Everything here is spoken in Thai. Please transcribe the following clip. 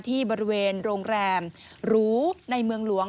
ที่บริเวณโรงแรมหรูในเมืองหลวง